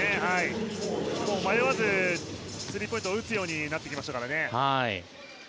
迷わずスリーポイントを打つようになりましたからね。